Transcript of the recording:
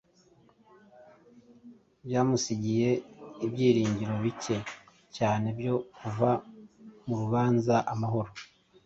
byamusigiye ibyiringiro bike cyane byo kuva mu rubanza amahoro.